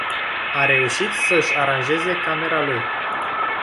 A reușit să-și aranjeze camera lui.